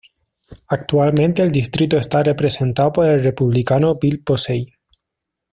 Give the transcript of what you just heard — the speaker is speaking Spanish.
Actualmente el distrito está representado por el Republicano Bill Posey.